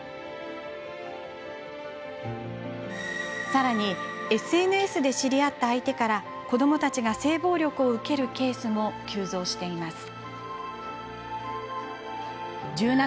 さらにＳＮＳで知り合った相手から子どもたちが性暴力を受けるケースも急増しています。